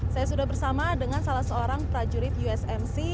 saya sudah bersama dengan salah seorang prajurit usmc